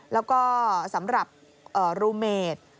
แล้วก็สำหรับรูเมด